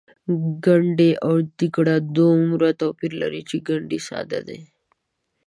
ګنډۍ او ډیګره دومره توپیر لري چې ګنډۍ ساده وي.